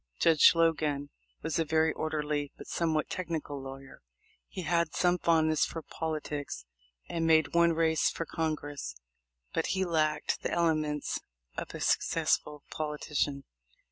Judge Logan was a very orderly but somewhat technical lawyer. He had some fondness for poli tics, and made one race for Congress, but he lacked the elements of a successful politician.